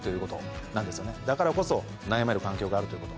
だからこそ悩める環境があるということ